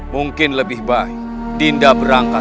mungkin lebih baik dinda berangkat